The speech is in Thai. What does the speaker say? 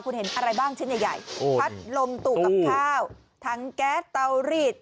คุณเห็นอะไรบ้างชิ้นใหญ่พัดลมตู้กับข้าวทั้งแก๊สเตารีด